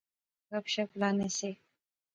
گپ شپ لانے سے